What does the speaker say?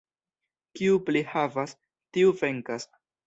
Kiu pli havas, tiu venkas.